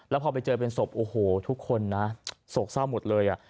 แล้วพอไปเจอเป็นศพโอ้โหทุกคนนะโศกเศร้าหมดเลย